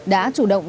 đã chủ động